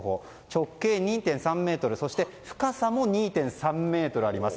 直径２．３ｍ深さも２．３ｍあります。